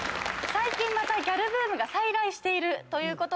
最近またギャルブームが再来しているということで。